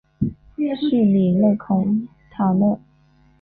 叙里勒孔塔勒。